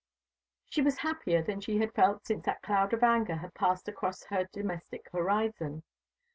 She was happier than she had felt since that cloud of anger had passed across her domestic horizon.